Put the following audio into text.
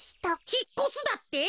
ひっこすだって？